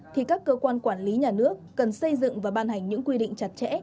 thì các cơ quan quản lý nhà nước cần xây dựng và ban hành những quy định chặt chẽ